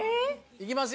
いきます